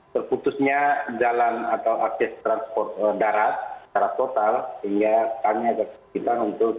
terputusnya jalan atau akses transport darat secara total hingga tanya ke kita untuk